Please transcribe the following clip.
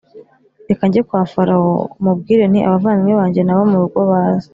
reka njye kwa Farawo mubwire nti abavandimwe banjye n abo mu rugo baze